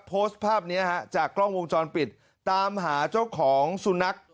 โพสต์ภาพเนี้ยฮะจากกล้องวงจรปิดตามหาเจ้าของสุนัข